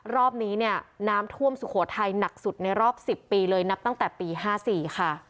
รอบนี้เนี่ยน้ำท่วมสุโขทัยหนักสุดในรอบ๑๐ปีเลยนับตั้งแต่ปี๕๔ค่ะ